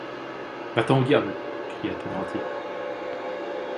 Va-t’en au diable! cria Thénardier.